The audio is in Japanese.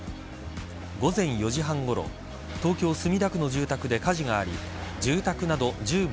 午前４時半ごろ東京・墨田区の住宅で火事があり住宅など１０棟